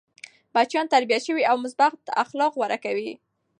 بچيان تربیت سوي او مثبت اخلاق غوره کوي.